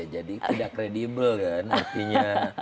jadi tidak kredibel kan artinya